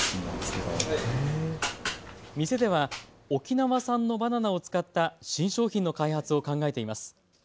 店では沖縄産のバナナを使った新商品の開発を考えています。